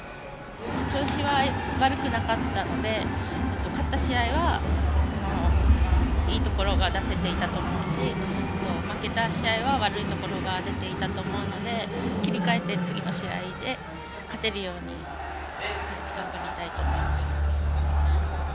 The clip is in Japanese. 調子は悪くなかったので勝った試合はいいところが出せていたと思うし負けた試合は悪いところが出ていたと思うので切り替えて、次の試合で勝てるように頑張りたいと思います。